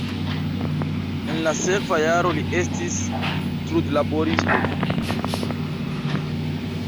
En la sekva jaro li estis trudlaboristo.